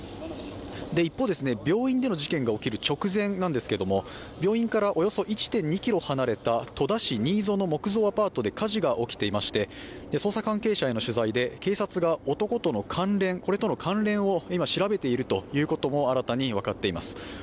一方で、病院での事件が起きる直前ですが病院からおよそ１．２ｋｍ離れた戸田市新曽の木造アパートで火事が起きていまして、捜査関係者への取材で警察が男との関連、これとの関連を今、調べているということも分かっています。